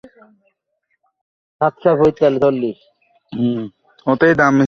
মাত্র পাঁচ ফুট দৈহিক উচ্চতার অধিকারী ছিলেন ও টিচ ডাকনামে পরিচিতি পান।